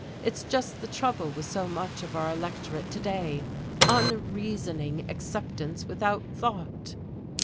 It's just the trouble with so much of our electorate to day unreasoning acceptance without thought."